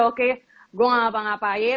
oke gue gak ngapa ngapain tetap produktif